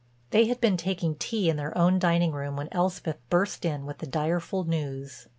They had been taking tea in their own dining room when Elspeth burst in with the direful news.